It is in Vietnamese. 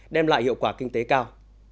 đem lại hiệu quả kinh tế cao